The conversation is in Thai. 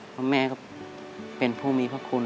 เพราะแม่ก็เป็นผู้มีพระคุณ